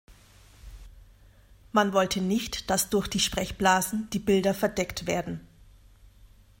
Man wollte nicht, dass durch die Sprechblasen die Bilder verdeckt werden.